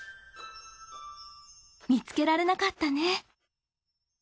見つけられなかったね。